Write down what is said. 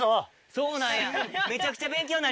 そうなんや。